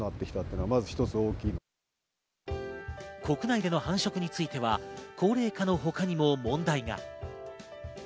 国内での繁殖については高齢化のほかにも問題が。